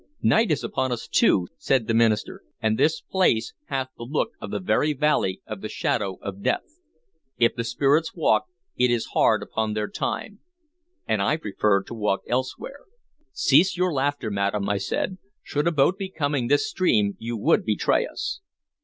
"Night is upon us, too," said the minister, "and this place hath the look of the very valley of the shadow of death. If the spirits walk, it is hard upon their time and I prefer to walk elsewhere." "Cease your laughter, madam," I said. "Should a boat be coming up this stream, you would betray us."